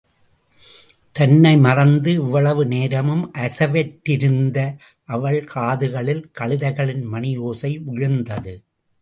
தன்னை மறந்து இவ்வளவு நேரமும் அசைவற்றிருந்த அவள் காதுகளில் கழுதைகளின் மணியோசை விழுந்தது.